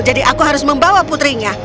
jadi aku harus membawa putrinya